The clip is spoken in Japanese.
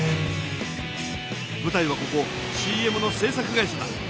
ぶたいはここＣＭの制作会社だ。